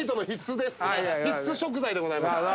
必須食材でございます。